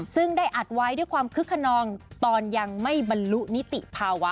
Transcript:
ซึ่งได้อัดไว้ด้วยความคึกขนองตอนยังไม่บรรลุนิติภาวะ